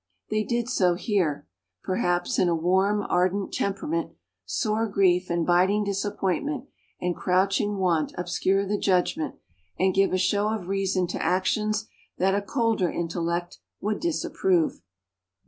They did so here. Perhaps, in a warm, ardent temperament, sore grief and biting disappointment and crouching want obscure the judgment and give a show of reason to actions that a colder intellect would disapprove.